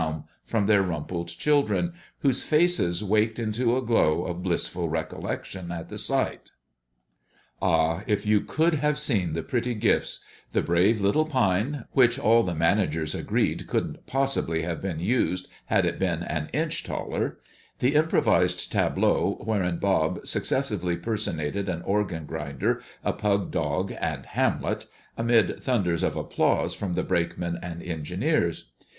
_" from their rumpled children, whose faces waked into a glow of blissful recollection at the sight. Ah! if you could have seen the pretty gifts; the brave little pine (which all the managers agreed couldn't possibly have been used had it been an inch taller); the improvised tableaux, wherein Bob successively personated an organ grinder, a pug dog, and Hamlet, amid thunders of applause from the brakemen and engineers!